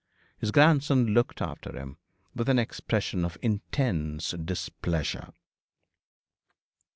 His grandson looked after him, with an expression of intense displeasure.